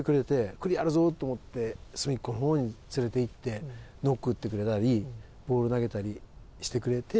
「クリやるぞ」って隅っこの方に連れていってノック打ってくれたりボール投げたりしてくれて。